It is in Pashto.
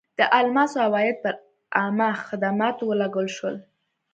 د الماسو عواید پر عامه خدماتو ولګول شول.